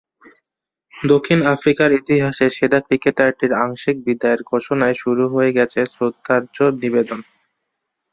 দক্ষিণ আফ্রিকার ইতিহাসে সেরা ক্রিকেটারটির আংশিক বিদায়ের ঘোষণায় শুরু হয়ে গেছে শ্রদ্ধার্ঘ নিবেদন।